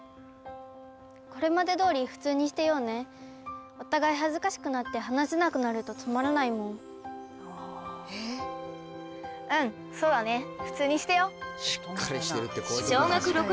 これまでどおり普通にしてようねお互い恥ずかしくなって話せなくなるとつまらないもんうんそうだね